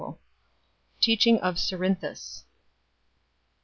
Teaching of Cerinthus.